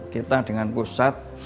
kita dengan pusat